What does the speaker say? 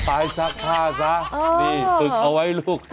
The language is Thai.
ไปซักผ้าซะนี่ฝึกเอาไว้ลูก